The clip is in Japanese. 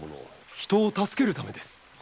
人を助けるためです！